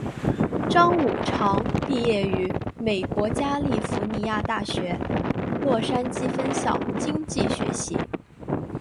张五常毕业于美国加利福尼亚大学洛杉矶分校经济学系。